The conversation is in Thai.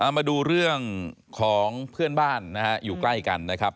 มาดูเรื่องของเพื่อนบ้านนะฮะอยู่ใกล้กันนะครับ